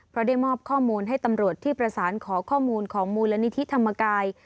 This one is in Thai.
เพราะได้มอบข้อมูลให้ตำรวจที่ประสานขอข้อมูลของมูลนิธิธรรมกาย